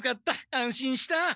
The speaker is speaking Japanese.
安心した！